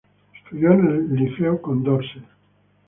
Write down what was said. Estudió en el Liceo Condorcet.